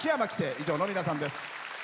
以上の皆さんです。